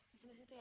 di situ ya